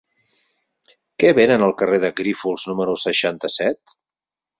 Què venen al carrer de Grífols número seixanta-set?